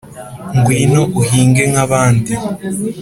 ngwino uhinge nkabandi